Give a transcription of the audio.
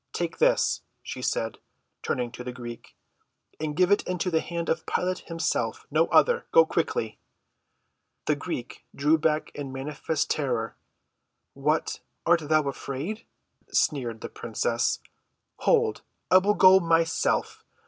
"Take this," she said, turning to the Greek, "and give it into the hand of Pilate himself—no other. Go quickly!" The Greek drew back in manifest terror. "What, art thou afraid?" sneered the princess. "Hold, I will go myself.